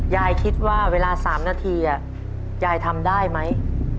ยายคิดว่าเวลา๓นาทียายทำได้ไหม